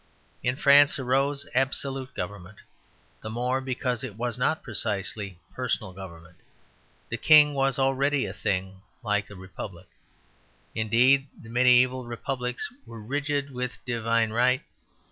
In France arose absolute government, the more because it was not precisely personal government. The King was already a thing like the Republic. Indeed the mediæval Republics were rigid with divine right.